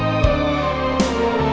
lu udah ngapain